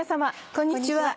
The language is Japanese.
こんにちは。